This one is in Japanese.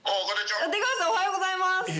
出川さんおはようございます。